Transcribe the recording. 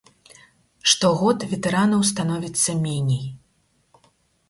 Штогод ветэранаў становіцца меней.